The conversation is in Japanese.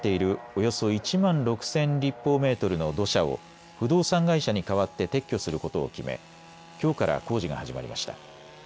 およそ１万６０００立方メートルの土砂を不動産会社に代わって撤去することを決め、きょうから工事が始まりました。